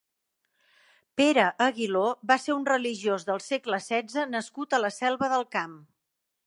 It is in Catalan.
Pere Aguiló va ser un religiós del segle setze nascut a la Selva del Camp.